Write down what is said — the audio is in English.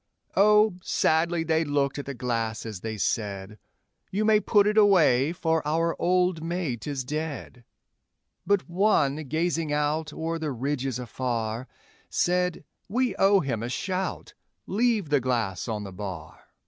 Oh, sadly they looked at the glass as they said, 'You may put it away, for our old mate is dead;' But one, gazing out o'er the ridges afar, Said, 'We owe him a shout leave the glass on the bar.'